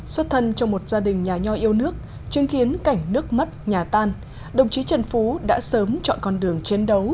xuất thân trong một gia đình nhà nho yêu nước chứng kiến cảnh nước mất nhà tan đồng chí trần phú đã sớm chọn con đường chiến đấu